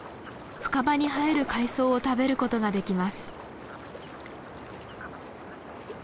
深場に生える海草を食べることができます。